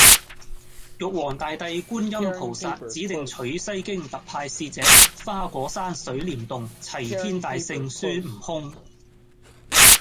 玉皇大帝觀音菩薩指定取西經特派使者花果山水簾洞齊天大聖孫悟空